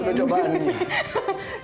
penuh cobaan ya